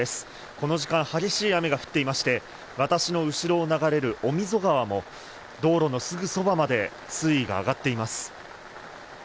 この時間、激しい雨が降っていまして、私の後ろを流れる御溝川も道路のすぐそばまで水位が上がっています。